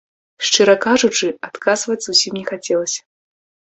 Шчыра кажучы, адказваць зусім не хацелася.